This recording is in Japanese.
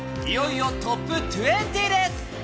いよいよトップ２０です。